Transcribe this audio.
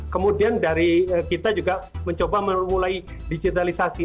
kemudian dari kita juga mencoba memulai digitalisasi